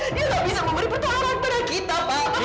ia tidak bisa memberi pertolongan kepada kita pak